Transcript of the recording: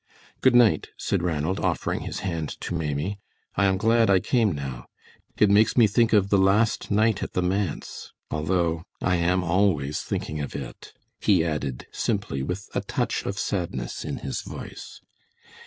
"Good night," said Ranald, offering his hand to Maimie. "I am glad I came now. It makes me think of the last night at the manse, although I am always thinking of it," he added, simply, with a touch of sadness in his voice.